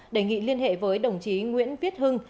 đề nghị liên hệ với đồng chí nguyễn viết hưng